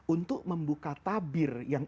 untuk membuka tabir yang